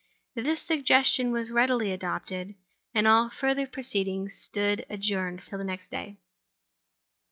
This suggestion was readily adopted; and all further proceedings stood adjourned until the next day.